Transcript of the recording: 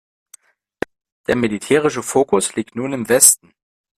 Der militärische Fokus liegt nun im Westen.